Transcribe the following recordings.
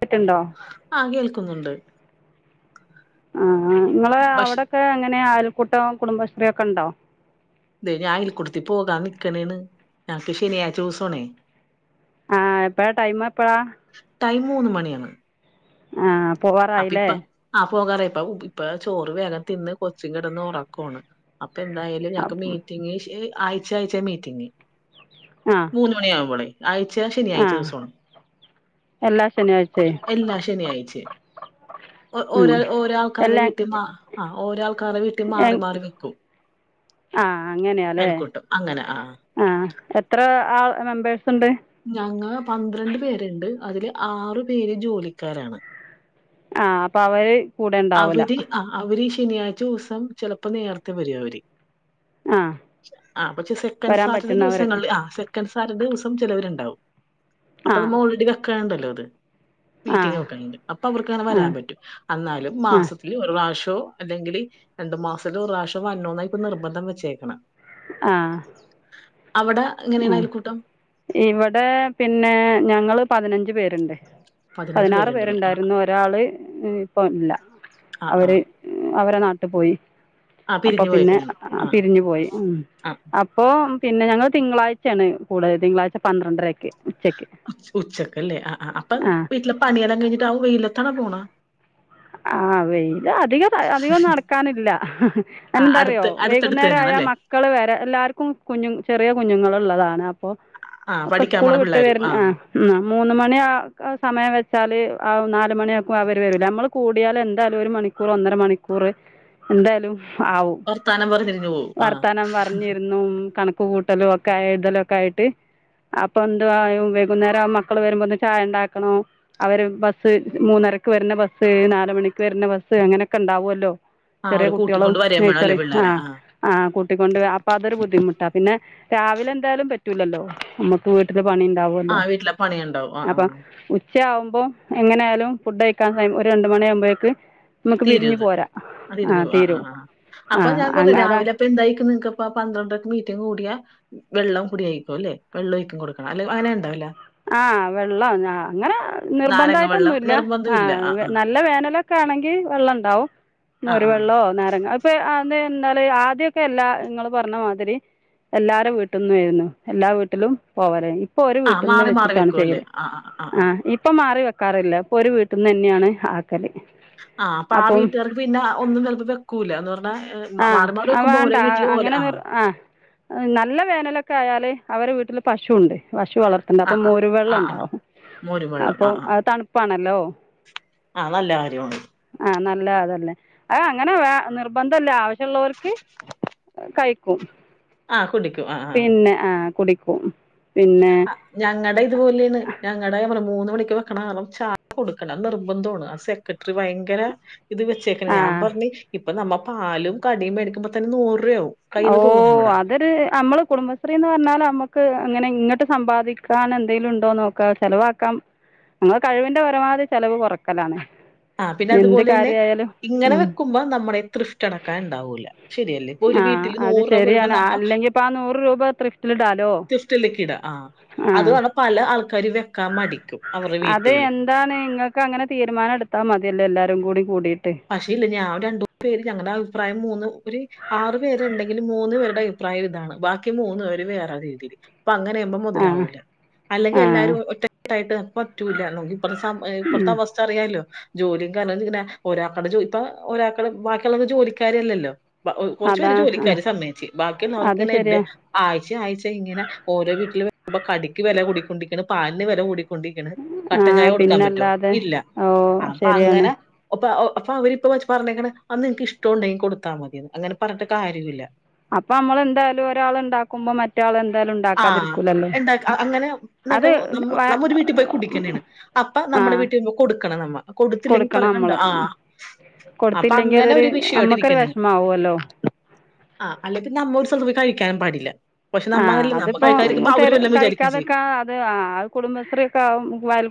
പറ്റുണ്ടോ ആഹ് കേൾക്കുന്നുണ്ട് ആഹ് ആ ങ്ങള് ഭക്ഷ അവിടൊക്കെ എങ്ങനെ ആ കുട്ടവും കുടുംബശ്രീ ഒക്കെ ഉണ്ടോ ഇത ഞാ അയിൽ കുടുത്തി പോകാ നിക്കണേണ് ഞക്ക് ശനിയായച്ച ദിവസണേ ആഹ് എപ്പഴാ ടൈം എപ്പഴാ ടൈ മൂന്ന് മണിയാണ് ആഹ് പോകാറായില്ലേ പോകാറ ഇപ്പ ഇപ്പ ചോറ് വേഗം തിന്ന് കൊച്ചും കിടന്ന് ഉറക്കാണ് അപ്പൊ എന്തായാലും ഞ മീറ്റിംഗ് ആയച്ച അയച്ച മീറ്റിങ് ആ മൂന്ന് മണിയ ആവുമ്പോളെ ആഴ്ച ആ ശനിയാഴ്ച ദിവസമാണ് എല്ലാ ശനിയാഴ്ചയും എല്ലാ ശനിയാഴ്ച ഓ ഉം ഓരോ ആൾക്കാരെ എല്ലാ വീട്ടിൽ മാ ആ ഓരോ ആൾക്കാര വീട്ടിൽ മാറി മാറി വെക്കും ആ അങ്ങനെയല്ലേ ആഹ് ആഹ് എത്ര ആ മെമ്പേഴ് ഉണ്ട് ഞങ്ങ പന്ത്രണ്ട് പേരുണ്ട് അതില് ആറു പേര് ജോലിക്കാരാണ് ആഹ് അപ്പൊ അവര് കൂടെ ഇണ്ടാവൂല അവര് ആ അവര് ഈ ശനിയാഴ്ച ദിവസം ചിലപ്പോ നേരത്തെ വരോ അവര് ആ ആ പക്ഷെ സെക്കൻ വരാൻ സാറ്റർഡേ പറ്റുന്നവർ ദിവസങ്ങളിൽ ആ സെക്കൻ സാറ്റർഡേ ദിവസ ചിലവരുണ്ടാവും ആ അപ്പൊ നമ്മ ഓൾറെഡി കക്കണ്ടല്ലോ അത് ആ മീറ്റിംഗ വെക്കണ്ട് അപ്പൊ അവർക്ക് അങ്ങനെ ആ വരാൻ പറ്റും എന്നാലും ആ മാസത്തില്ൽ പ്രാവശ്യ തോ അല്ലെങ്കിൽ രണ്ടു മാസത്തില ഒ പ്രാവശ്യോ വന്നോന്ന ഇപ്പൊ നിർബന്ധം വെച്ചേക്കണം ആഹ് അവിടെ എങ്ങനെയാണ് അയൽക്കൂട്ടം ഇവിടെ പിന്നെ ഞങ്ങള് പതിനഞ്ച് പേരുണ്ട് പതിനഞ്ച് പതിനാറ് പേരുണ്ടല്ലേ ആ പേരുണ്ടായിരുന്നു ഒരാള് ഇപ്പ ഇല്ല ആ ആ അവര് അവരെ നാട്ടിൽ പോയി ആ അപ്പൊ പിരിഞ്ഞു പിന്നെ പോയേക്കണേ ആ പിരിഞ്ഞു പോയി ഉം ആ അപ്പൊ പിന്നെ ഞങ്ങൾ തിങ്കളാഴ്ചയാണ് കൂടുതൽ തിങ്കളായ്ച ന്ത്രണ്ടരൊക്കെ ഉച്ചക്കല്ലേ ആ അപ്പൊ ആ വീട്ടില് പണിയെല്ലാം കഴിഞ്ഞിട്ട് ആ വെയിലെത്താണ പോണ ആ വെയിലാ അധിക അധികം നടക്കാനില്ല ആ അതെന്താന്നറിയോ അടുത്ത് അടുത്തടുത്ത് വൈകുന്നേരായ തന്നെയാണല്ലേ മക്കള് വരെ എല്ലാർക്കും കുഞ്ഞു ചെറിയ കുഞ്ഞുങ്ങൾ ഉള്ളതാണ് ആ അപ്പൊ പഠിക്കാൻ സ്കൂള് പോണ വിട്ട പിള്ളേരും വ ആ മൂന്ന് മണി സമയം വെച്ചാല് ആ നാ മണിയാക്കും അവര് വരൂല്ലേ നമ്മള് കൂടിയാല് എന്തായാലും ഒരു മണിക്കൂർ ഒന്നര മണിക്കൂർ എന്തായാലും ആവും വർത്താനം പറഞ്ഞ് തിരിഞ്ഞു പോവും. ആ വർത്താനം പറഞ്ഞിരുന്നും കണ കൂട്ടലോ ഒക്കെ എഴുതലോ ഒക്കെ ആയിട്ട് അപ്പൊ എന്ത വൈകുന്നേരം മക്കള് വരുമ്പോ ഒന്ന് ചായ ഉണ്ടാക്കണം അവര് ബസ് മൂന്നരക്ക് വരുന്ന ബസ് ബസ് നാല് മണിക്ക് വരുന്ന ബസ് അങ്ങനെയൊക്കെ ഉണ്ടാവുമല്ലോ ആ ചെറിയ അവരെ കുട്ടികളും കൂട്ടിക്കൊണ്ട് വരേം വേണം അല്ലേ നഴ്സറി ആ പിള്ളേരെ? ആ കൂട്ടിക്കൊണ്ട് അപ്പൊ അതൊരു ബുദ്ധിമുട്ടാ പിന്നെ രാവിലെ എന്തായാലും പറ്റൂലല്ലോ നമ്മുക്ക് വീട്ടില് ആ പണിയുണ്ടാവല്ലോ വീട്ടിലെ പണിയുണ്ടാവും. ആ ആ. അപ്പൊ ഉ ച്ച ആകുമ്പോ എങ്ങനായാലും ഫുഡ് കഴിക്കാൻ രണ്ട് മണി ആകുമ്പോഴേക്ക് തീരുമത് അത് കഴിഞ്ഞ് പോകാം ആ ആ അപ്പൊ ആഹ് ഞാൻചോദിക്കട്ടെ അതാ രാവിലെ അപ്പൊ എന്തായിരിക്കും നിനക്ക അപ്പൊ പന്ത്രണ്ടരക്ക് മീറ്റിംഗ് കൂടിയാ വെള്ളം കുടിയായിക്കും അല്ലെ വെള്ളവാരിക്കും കൊടുക്കണേ അല്ലെ അങ്ങനെ ഉണ്ടാവില്ലേ ആ വെള്ളം അങ്ങനെ നാരങ്ങ വെള്ളം നിർബന്ധമായിട്ടൊന്നും ഇല്ല നിർബന്ധം ആ ഇല്ല. ആ. നല്ല വേനലൊക്കെ ആണെ ങ്കിൽ വെള്ളമുണ്ടാകും ആ മോര് ആ. വെള്ളവോ നാരങ്ങ ഇപ്പൊ ആ അ എന്ത ആദ്യൊക്കെ എല്ലാ നിങ്ങള് പറഞ്ഞ മാതിരി എല്ലാരും വീട്ടിൽന്നും ആരുന്നു എല്ലാ വീട്ടിലും പോവലാരുന്നു ഇപ്പൊ ഒരു ആ വീ മാറി മാറി വെക്കും അല്ലേ ആ ആ ആ ഇപ്പൊ മാറി വെക്കാറില്ല ഇപ്പൊ ഒരു വീട്ടിൽ നിന്ന് തന്നെയാണ് ആക്കല് ആ അപ്പൊ ആ അപ്പം വീട്ടുകാർക്ക് പിന്നെ ഒന്നും ചിലപ്പോ വെക്കൂല എന്ന് പറഞ്ഞാ ഏഹ് മ മാറി മാറി ആ വെക്കുമ്പോ വേണ്ട ഓരോ വീട്ടില് ഓലെ അങ്ങനെ നി ആ നല്ല വേനലൊക്കെ ച്ചാല് അവടെ വീട്ടില് പശുവുണ്ട് പശു വളർത്തുണ്ട് ആ അപ്പൊ ആ. മോരു ആ വെള്ളം ആ. ഉണ്ടാവും മോരും വെള്ളം. അപ്പൊ ആ ആ. അത് തണുപ്പാണല്ലോ ആ നല്ല കാര്യമാണ്. ആ നല്ല അതല്ലേ ആ അങ്ങനെ വ നിർബന്ധ വില്ല ആവശ്യമുള്ളവർക്ക് കഴിക്കും ആ കുടിക്കും. ആ ആ. പിന്നെ ആ കുടി പോവും ഞങ്ങടെ ഇതുപോലെയാണ് ഞങ്ങടെ മൂന്ന് മണിക്ക് വെക്കണ വെള്ളം ചാറി കൊടുക്കണം നിർബന്ധമാണ് ആ സെക്രട്ടറി ഭയങ്കരെ ഇത് വെച്ചേക്കണേ ഞാൻ ആ പറഞ്ഞു ഇപ്പം നമ്മൾ പാലും കടിയും മേടിക്കുമ്പോൾ തന്നെ നൂറ് രൂപയാവും ഓ കയ്യിന്ന് പോകും നമ്മടെ അതൊരു നമ്മള് കുടുംബശ്രീന്ന് പറഞ്ഞാല് നമ്മക്ക് ക്ക് അങ്ങനെ ഇങ്ങോട്ട് സമ്പാദിക്കാൻ എന്തെങ്കിലും ഉണ്ടോന്ന് നോക്കാ ചിലവാക്കാം നമ്മടെ കഴിവിന്റെ പരമാവധി ചിലവ് കുറക്കലാണ് ആ പിന്നെ അതുപോലെ തന്നെ ഇങ്ങനെ ഉം വെക്കുമ്പോ നമ്മുടെ തൃഷ്്ട അണക്കാൻ ഉണ്ടാവൂില്ല ശരിയല്ലേ ഇപ്പൊ ഒരു ആഹ വീട്ടിൽ അത് നൂറ് രൂപ വരുമ്പോ ശരിയാണ് നമ്മ അല്ലെങ്കിപ്പ ആ നൂറ് രൂപ തൃഫിറ്റിൽ ഇടലോ ത്രിഫ്റ്റിലേക്ക് ഇടാ ആ അത് ആഹ കാരണം പല ആൾക്കാര് വെക്കാൻ മടിക്കും അവരുടെ അത് വീട്ടില് എന്താണ് നിങ്ങൾക്ക് അങ്ങനെ തീരുമാനം എടുത്ത അതുമതിയല്ലോ എല്ലാരും കൂടി കൂടിട്ട് പക്ഷേ ഇല്ല ഞാൻ രണ്ടോ പേര് ഞങ്ങളുടെ അഭിപ്രായം മൂന്ന് ഒരു ആറു പേരുണ്ടെങ്കിൽ മൂന്നു പേരുടെ അഭിപ്രായം ഇതാണ് ബാക്കി മൂന്ന് പേര് വേറെ രീതിയിൽ അപ്പൊ അങ്ങനെെയ്യുമ്പോ ആ മുതലാവൂല അല്ലെങ്കിൽ ആ എല്ലാരും ഒറ്റായിട്ട് പറ്റൂല്ല നോ ഇപ്പറത്തെ അവസ്ഥ അറിയാല്ലോ ജോലിയും കാരണംങ്ങനെ ഒരാക്കുടെോ ഇപ്പൊ ഒരാൾക്കുടെ ബാക്കിയുള്ളത് ജോലിക്കാാര്ല്ലല്ലോ കുറച്ച് അതാ പേര് ആ ജോലിക്കാര് സമ്മേച്ചച്ച് അത് ബാക്കിയുള്ളവർക്ക് ഇങ്ങെ ശരിയാ ആ് ആഴ്ച്ച ഇങ്ങനെ ഓരോ വീട്ടിൽ വരുമ്പ ക വില കുടിക്കൊണ്ടിരിക്കാണ് പാലി വില കൊണ്ടിരിക്കണ് ആ കട്ടൻ ചായ കൊടുക്കാൻ പറ്റോ പിന്നല്ലാതെ ഇല്ല ഓ അപ്പ അങ്ങനെ ശരിയാണ് അപ്പ അപ്പൊ അവരിപ്പ പറഞ്ഞേെ അന്ന് എനക്ക് ഇഷ്ടോണ്ടെങ്കിൽ കൊടുത്താ മതി അങ്ങനെ പറഞ്ഞിട്ട്ാര്യ ഇില്ല അപ്പൊ നമ്മൾ എന്തായാലും ഒരാൾ ഉണ്ടാക്കുമ്പോ മറ്റാൾ എ ആ അങ്ങനെ അത് വ നമ്മ ഒരു വീട്ടിൽ പോയി കുടിക്കണാണ് അപ്പ ആ നമ്മുടെ വീട്ടിൽ കൊടു ആക്കണം നമ്മ കൊടുത്തില്ലെങ്കിൽ കൊടുക്കണം പറകണ്ടോ നമ്മള് ആ അപ്പൊ കൊടുത്തില്ലെങ്കിൽ അങ്ങനെ അതൊരു ഒരു വിഷയമായിട്ട് നമ്മക്കൊരു ഇരിക്കുന്നുണ്ട് വിഷമാവുമല്ലോ ആ് അല്ലെങ്കിൽ നമ്മ കഴിക്കാൻ പാടില്ല പക്ഷെ നമ്മല്ല ഇപ്പം കഴിക്കാതൊക്കെ അത് ആ കുടുംബശ്രീ ഒക്കെ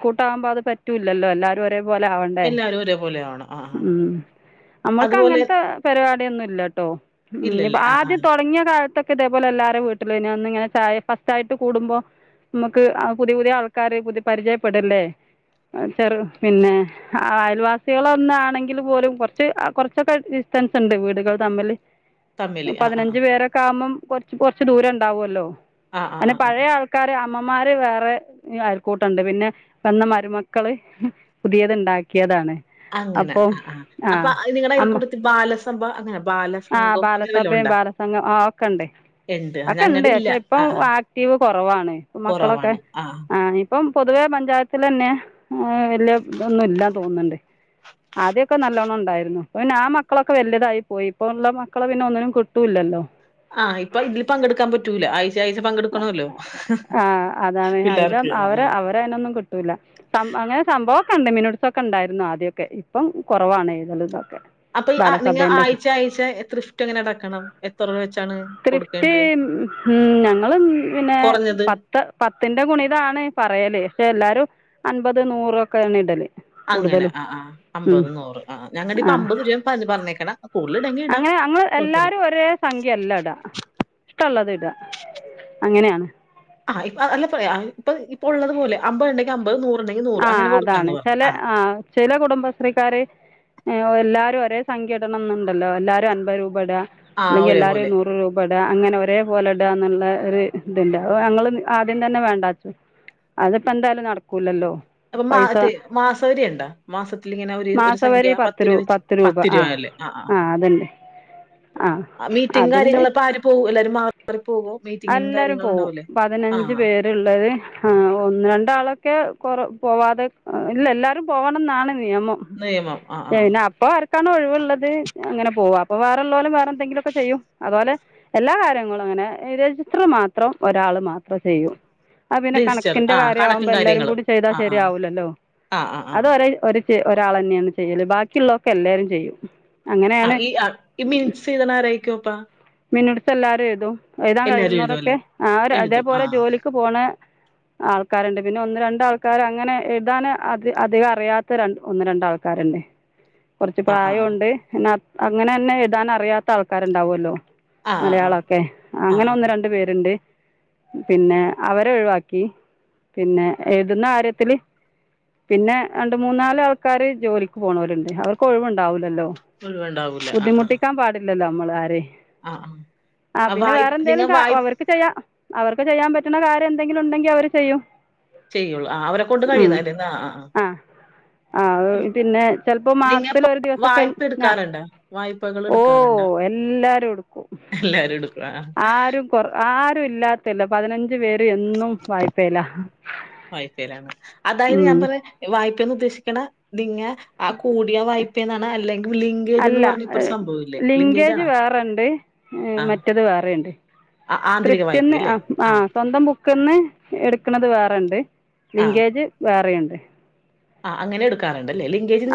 കൂട്ടുമ്പോ അത് പറ്റില്ലല്ലോ എല്ലും ഒരു പോലെ ആവണ്ടേ എല്ലാരും ഒരേപോലെയാണ് ആഹ് ആഹ് ഉം നമ്മൾക്ക് അതുപോലെ അങ്ങനത്തെ പരിപാടിയൊന്നുംല്ലട്ടോ ഉ ഇ ഇല്ലല്ലേ ആഹ് ആദ്യം ആഹ് തുടങ്ങിയ കാലത്തൊക്കെ ഇതേപോലെ എല്ലാരും വീട്ടില ഇ ഒന്ന ഇങ്ങനെ ചായ കുട്ടായിട്ട് കൂടുമ്പോ നമുക്ക് പുതിയ പുതിയ ആൾക്കാര് പരിചയപ്പെടല്ലേ പിന്നെ അയൽവാസികളോ ഇന്നാണെങ്കിൽ പോലും കുറച്ച് കുറച്ചൊക്കെ ഡിസ്റ്റൻസ് ഉണ്ട് വീടുകൾ തമ്മില് തമ്മില് ആഹ് ആഹ് പതിനഞ്ച് പേരൊക്കെ ആവുമ്പം കുറച്ച് കൊറച്ച് ദൂരം ഉണ്ടാവുമല്ലോ ആഹ് അല്ല ആഹ് ആഹ് പഴയആൾക്കാര് അമ്മമാര് വേറെ അയൽക്കൂട്ടുണ്ട് പിന്നെ വന്ന മരുമക്കള് പുതിയത് ഉണ്ടാക്കിയതാണ് അങ്ങനെ അപ്പോൾ ആ ആ അപ്പ നിങ്ങളുടെ അമ്മ അയൽക്കൂട്ടത്തിൽ ബാല [unintelligible] അങ്ങന ആ ബാലസംഭയും ബാലസംഘം ഒക്കെ ഉണ്ട്, ഇണ്ട്. അതൊക്കെ ഉണ്ട് ഞങ്ങടെ ഇല്ല. ഇപ്പൊ ആ, ആ. ആക്റ്റീവ് കുറവാണ് ഇപ്പൊ മക്കൾ ഒക്കെ കുറവാണ്. ആ. ആണ് ഇപ്പൊ - പൊതുവെ പഞ്ചത്തിൽ തന്നെ വലിയ ഇതൊന്നും ഇല്ലെന്നു തോന്നുന്നുണ്ട് ആദ്യം ഒക്കെ നല്ലോണം ഉണ്ടായിരുന്നു ആ മക്കൾ ഒക്കെ വല്യതായി പോയി ഇപ്പൊ ഇപ്പൊള്ള മക്കളെ പിന്നെ ഒന്നിനും കിട്ടുല്ലല്ലോ ആ ഇപ്പൊ ഇതില് പങ്കെടുക്കാൻ പറ്റൂല്ല ആയ്ചേ ആയ്ചേ പങ്കെട്ക്കണോല്ലോ ആ അതാണ് അതില് പിള്ളേർക്ക് ആ അവരെ ആ അവരെ [unintelligible] ണ്ടെങ്ങനെട്ത്തൊക്കെ ഇണ്ടായ്‌ര്ന്നു ആദ്യക്കെ ഇപ്പം കൊറവാണ് എഴുതലും തൊക്കെ അപ്പൊ ആ നിങ്ങ ആയ്ച ആയ് വെച്ചാണ് ത്രിഫ്റ്റ് കൊടുക്കേണ്ടത്? ഞങ്ങള് പിന്നെ കുറഞ്ഞത്? പത്ത് പത്തിന്റെ ഗുണിതാണ് പറ്യേല് എല്ലാരും അൻമ്പത് നൂറൊക്കെ ണിടല് അങ്ങനെ ആ ആ അമ്പത്, നൂറ് ആ ഞങ്ങടെ ആ ഇപ്പമ്പത് രൂപ പർഞ്ഞ്പറഞ്ഞേക്കണേ കൂടുതല് അങ്ങനെ ഞങ്ങള് എല്ലാരും ഒരേ സംഖ്യ ല്ലടാ കള്ളതിടാ അങ്ങന്യാണ് ആ ഇപ്പെ അല്ല പ്പഴേ അഅ് ഇപ്പഅ് ഇപ്പൊള്ളത് പോലെ അമ്പത് ണ്ടെങ്കി അമ്പത് നൂ ആ അതാണ് ചെല ആ ചെല കുടുംബശ്രീക്കാര് ഏ എല്ലാരും ഒരേ സംഖ്യ ടണന്ന്ണ്ടല്ലോ എല്ലാരും അമ്പത് രൂപ ടാ ആ, ഇല്ലെങ്കി ഒരേപോലെ. എല്ലാരും നൂറ് രൂപ ടാ അങ്ങനെ ഒരേ പോലെ ഇടാന്ന്ള്ള ഒര് ത്ണ്ട് അഅ് ഞങ്ങള് ആദ്യം തന്നെ വേണ്ടാ ച്ച് അത് പ്പെന്തായാലും നടക്കുല്ലല്ലോ അപ്പൊ മാത്തെ മാസവരിണ്ടോ മാസത്തിലിങ്ങനെ ഒര് ഒരു സംഖ്യ പത്ത് രൂപ വെച്ച് പത്ത് രൂപ അല്ലേ അ ആ ആ ആ മീറ്റിംഗ് കാര്യാങ്ങള് അതുണ്ട് ഉള്ളപ്പോ ആര് പോകും എല്ലാരും മാറി പോകുവോ മീറ്റിംഗ് എല്ലാരും കാര്യങ്ങളും പോവും ഉണ്ടാവുല്ലേ ആഹ്. ആഹ് ഒന്ന് രണ്ട് ആളോക്കെ കൊറ പോവാതെ ഇല്ല എല്ലാരും പോകണം എന്ന് ആണ്. നിയമം നിയമം ആ ആ പിന്നെ അപ്പോ ആർക്കാണോ ഒഴിവുള്ളത് അങ്ങനെ പോവാം. പോവാറ് ഉള്ളോല് വേറെ എന്തെകിലും ഒക്കെ ചെയ്യും അതുപോലെ എല്ലാ കാര്യങ്ങളും അങ്ങനെ രജിസ്റ്റർ മാത്രം ഒരാള് മാത്രേ ചെയ്യു. അത് പിന്നെ രജിസ്റ്റർ കണക്കിന്റെ ആ കാര്യം കണക്കും ആവുമ്പോ എല്ലാരും കാര്യങ്ങളും കൂടെ ചെയ്താ ആ ആ ശെരി ആവുല്ലല്ലോ ആ ആ ആ അത് പറയും ഒരു ഒരാളന്നെയാന്ന് ചെയ്യല് ബാക്കി ഉള്ളേ ഒക്കെ എല്ലാരും ചെയ്യും. ആ അങ്ങനെയാണ് ഈ അ മിൻട്സ് എഴുതുന്ന ആരായിക്കോപ്പാ? മിനുട്സ് എല്ലാവരും എഴുതും. എഴുതാൻ എഴുതും അല്ലേ കഴിയുന്നോരൊക്കെ ആ അതേ എഴുതും ആ പോലെ ജോലിക്ക് പോണ ആൾക്കാരുണ്ട് പിന്നെ ഒന്ന് രണ്ടാൾ ക്കാർ അങ്ങനെ എഴുതാന് അധ അധികം അറിയാത്ത രണ്ട് ഒന്ന് രണ്ടാൾക്കാരുണ്ട്. കോറച്ച് ആ ആ പ്രായുണ്ട് എന്ന അങ്ങനെ തന്നെ എഴുതാൻ അറിയാത്ത ആൾക്കാരുണ്ടാവുല്ലോ. ആ ആ ആ മലയാളൊക്കെ ആ അങ്ങനെ ആ ഒന്ന് രണ്ടു പേരുണ്ട്. പിന്നെ അവരെ ഒഴിവാക്കി പിന്നെ എ ത് ന്നകാര്യത്തില് പിന്നെ രണ്ട് മൂന്നാല് ആൾക്കാര് ജോലിക്ക് പോണോരുണ്ട്. അവർക്ക് ഒഴിവുണ്ടാവൂല്ലല്ലോ മുഴുവണ്ടാവൂല ആ ആ ബുദ്ധിമുട്ടിക്കാൻ പാടില്ല ല്ലോല്ലോ നമ്മള് ആരേം ആ ആ അ ആ പിന്നെ വായ്പ വേറെ എന്തേലും നിങ്ങൾ കാ വായ്പ വർക്ക് ചെയ്യാം അവർക്ക് ചെയ്യാൻ പറ്റുന്ന കാര്യം എന്തെങ്കിലും ഉണ്ടെങ്കിൽ അവര് ചെയ്യും ചെയ്യുള്ളൂ ആ അവരെ കൊണ്ട് ഉം കഴിയുന്ന അല്ലേ ആ ആ ആ പിന്നെ ചെലപ്പോ മാസത്തിൽ നിങ്ങപ്പോ ഒരു ദിവസൊക്കെ വായ്പ ഞാ എടുക്കാറുണ്ടോ വായ്പകൾ ഓ എടുക്കാറുണ്ടോ എല്ലാരും എടുക്കും എല്ലാരും എടുക്കും ആ ആരും കൊ ആരു ഇല്ലാത്തല്ല പതിനഞ്ച് ഞ്ച് പേര് എന്നും വായ്പേല യിലാണ് അതായത് ഞാൻ പറ വാ യ്പന്ന് ഉദ്ദേശിക്കണ നിങ്ങെ ആ കൂടിയ വായ്പ എന്നാണ് അല്ലെങ്കിൽ ലിങ്കേജ്ന്ന് അല്ല പറഞ്ഞ ഇപ്പ ഒരു സംഭവം ഇല്ലേ ലിങ്കേജ ലിങ്കേജ് ആണ വേറെയുണ്ട് ആ മറ്റേത് വേറെയുണ്ട് ആ ആന്തരിക വായ്പ അല്ലേ ആ ക്ക്ന്ന് എടുക്കണത് വേറെണ്ട് ലിങ്കേജ് വേറെണ്ട് അതെ അ അങ്ങനെ എടുക്കാറ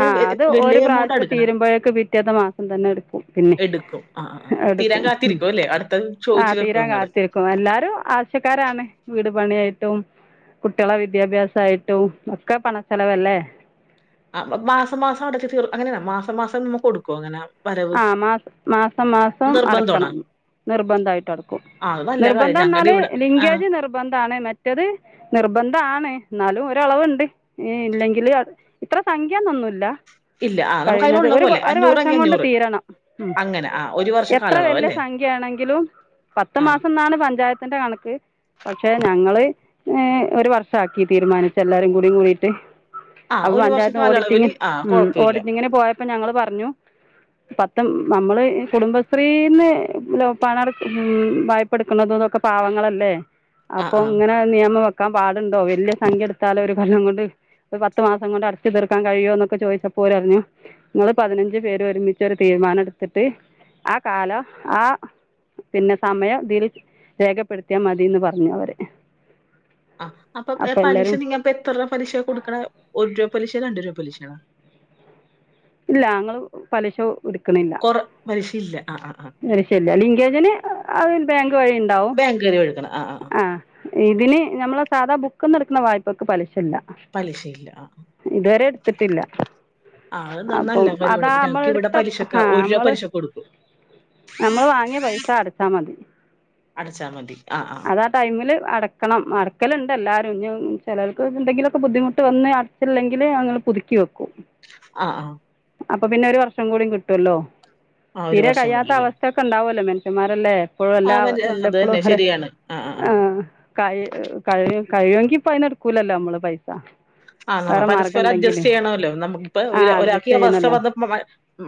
ആ അത് ഒരു പ്രാവശ്യത്തെ എടുക്കണ തീരുമ്പോഴേക് പിറ്റാത്ത മാസം തന്നെ എടുക്കും പിന്നെ എടുക്കും ആ ആ ആ. തീരാൻ എടുക്കും കാത്തിരിക്കും അല്ലേ അടുത്തത് ആ ചോദിച്ചു വെക്കും തീരാൻ അങ്ങട് കാത്തിരിക്കും എല്ലാരും ആവശ്യക്കാരാണ് വീട് ട പണിയായിട്ടും കുട്ടികളെ വിദ്യാഭ്യാസായിട്ടും ഒക്കെ പണ ചെലവല്ലേ അ മാസമാസം അടച്ചു തീർ അങ്ങനെയാ മാസ മാസം നമ്മുക്ക് കൊടുക്കോ അങ്ങനെ വരവ് ആ മാ മാസം മാസം നിർബന്ധമാണോ അടക്കണം നിർബന്ധമായിട്ട് അടക്കും ആ അത് നല്ല കാര്യം നിർബന്ധം ഞങ്ങളുടെ എന്നാല് ഇവിടെ ആ ലിംഗേജ് നിർബന്ധണ് മറ്റത് നിർബന്ധ ആണ് എന്നാലും ഓ ഒരളവുണ്ട് ഇല്ലെങ്കില് ഇത്ര സംഖ്യന്നൊന്നുല്ല ഇല്ല അ നമുക്ക് അതിലുള്ള പോലെ അഞ്ഞൂർ എങ്കിൽ കൊണ്ട് അഞ്ഞൂർ തീരണം ഉം എത്ര കാലയളവ് വലിയ അല്ലേ? സംഖ്യ ആണെങ്കിലും പത്ത് ആ. മാസം എന്നാണ് പഞ്ചായത്തിന്റെ കണക്ക് പക്ഷെ ഞങ്ങള് ഏ ഒരു വർഷാക്കി തീരുമാനിച്ച് എല്ലാരും കൂടിയും കൂടിയിട്ട് ആ അപ്പൊ ഒരു വർഷ പഞ്ചായത്ത് കാലയളവില് ഓഡിറ്റിങ്ങിന് ആ ഉം കുഴപ്പമില്ല. ഓഡിറ്റിങ്ങിന് പോയപ്പോ ഞങ്ങള് പറഞ്ഞു പത്ത നമ്മള് കുടുംബശ്രീന്ന് ലൊ പാനർ ഉ വായ്പ എടുക്കുന്നതന്നൊക്കെ പാവങ്ങളല്ലേ ആ, അപ്പൊ ആ, ഇങ്ങനെ നിയമം വെക്കാൻ പാടുണ്ടോ വല്യ സംഖ്യ എടുത്താല ഒരു കാരണം കൊണ്ട് ഒരു പത്ത് മാസം കൊണ്ട് അടച്ച് തീർക്കാൻ കഴിയോ എന്നൊക്കെ ചോദിച്ചപ്പോര് പറഞ്ഞു നിങ്ങള്ൾ പതിനഞ്ച് പേര് ഒരുമി ച്ച് ഒരു തീരുമാനം എടുത്തിട്ട് ആ കാല ആ പിന്നെ സമയം ഇതിൽ രേഖപ്പെടുത്തിയാൽ മതിന്ന് പറഞ്ഞു അവര് ആ അപ്പൊ പലിശ നിങ്ങപ്പോ എത്രൂ പലിശ കൊടുക്കണ ഒരു രൂപ പലിശ രണ്ട് രൂപ പലിശണോ ഇല്ല ഞങ്ങള് പലശോ എടുക്കണില്ല കൊറ പലിശയില്ല. ആ, ആ, ആ. പലിശല്ല ലിങ്കേജിന് അത് ബാങ്ക് വഴി ഉണ്ടാവും ആ ഇതിന് നമ്മൾ സാധാ ബുക്കന്ന് എക്കുന്ന വായ്പൊക്ക് പലിശ ശല്ല പലിശയില്ല. ആ, ആ. ഇതുവരെ എടുത്തിട്ടില്ല ആ അത് ന- അപ്പം നല്ല അതാ കാര്യമാണ്. നമ്മൾ ഞങ്ങക്ക് ഇവിടെ എടുത്ത പലിശക്ക് ഹ രൂ. നമ്മള് പലിശ കൊടുക്കും. നമ്മൾ വാങ്ങിയ പൈസ അടച്ചാ മതി അടച്ചാ മതി. ആ, ആ. അതാ ടൈമില് അടക്കണം അടക്കല്ണ്ട് എല്ലാ ചിലർക്ക് എന്തെങ്കിലുമൊക്കെ ബുദ്ധിമുട്ട് വന്ന് അടച്ചില്ലെങ്കിൽ ങ്ങള് പുതുക്കി വെക്കും ആ ആ അപ്പൊ പിന്നെ ഒരു വർഷം കൂടി കിട്ടുവല്ലോ ആ ഒരു തീരെ വർഷം കൂടി കഴിയാത്ത അല്ലേ? അവസ്ഥയ ഒക്കെ ഉണ്ടാവല്ലോ മെൻ സമാരല്ലേ എപ്പോഴും ആ എല്ലാ മതി. ആ, അത് എല്ലപ്പോഴും തന്നെ അവരെ ശരിയാണ്. ആ, ആ, ആ. ക കഴ കഴിയെങ്കിൽ പൈന എടുക്കൂലല്ലോ നമ്മള് പൈസ ആ ന വേറെ മാർഗം പരസ്പരം ഉണ്ടെങ്കിലേ അഡ്ജസ്റ്റ് ചെയ്യണമല്ലോ നമുക്കി പ്പ ആ ഒരാൾക്കി അഡ്ജസ്റ്റ് അവസ്ഥ ചെയ്യണമല്ലോ വന്ന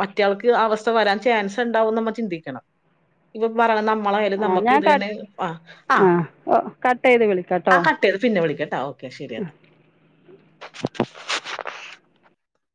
മറ്റയാൾക്ക് അവസ്ഥ വരാ ൻ ചാൻസ്ഇണ്ടാവും ന്ന് നമ്മ ചിന്തിക്കണം മ്മ ആ നമ്മക്ക് ഞാൻ കട്ട് ഇതന്നെ ആ ആ ഓ കട്ട് ചെയ്ത് ആ വിളിക്കാട്ടോ കട്ട ചെയ്ത് പിന്നെ വിളിക്കട്ടാ ഓക്കെ ശരിയാ